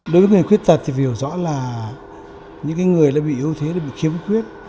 đối với người khuyết tật thì hiểu rõ là những người bị ưu thế bị khiếm khuyết